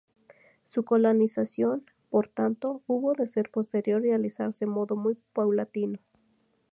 Su colonización, por tanto, hubo de ser posterior y realizarse modo muy paulatino.